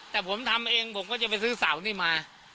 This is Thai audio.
แต่ผมทำเองผมก็จะไปซื้อเสานี่มา